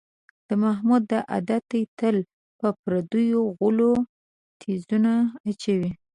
د محمود دا عادت دی، تل په پردیو غولو تیزونه اچوي.